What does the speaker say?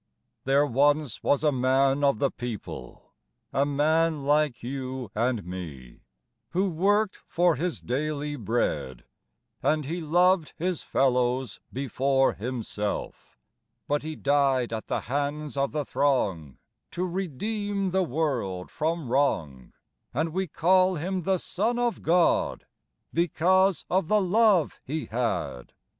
There once was a man of the people, A man like you and me, Who worked for his daily bread, And he loved his fellows before himself. But he died at the hands of the throng To redeem the world from wrong, And we call him the Son of God, Because of the love he had.